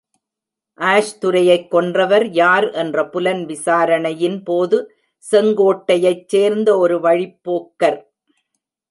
Ash துரையைக் கொன்றவர் யார் என்ற புலன் விசாரணையின் போது, செங்கோட்டையைச் சேர்ந்த ஒரு வழிப்போக்கர்.